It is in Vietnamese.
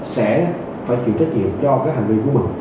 sẽ phải chịu trách nhiệm cho cái hành vi của mình